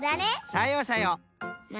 さようさよう。